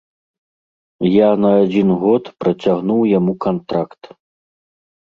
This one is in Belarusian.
Я на адзін год працягнуў яму кантракт.